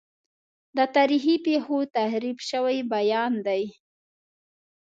د تاریخي پیښو تحریف شوی بیان دی.